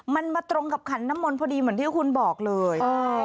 มันมาตรงกับขันน้ำมนต์พอดีเหมือนที่คุณบอกเลย